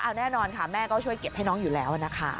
เอาแน่นอนค่ะแม่ก็ช่วยเก็บให้น้องอยู่แล้วนะคะ